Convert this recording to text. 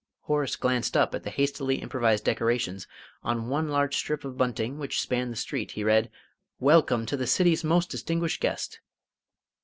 Horace glanced up at the hastily improvised decorations; on one large strip of bunting which spanned the street he read: "Welcome to the City's most distinguished guest!"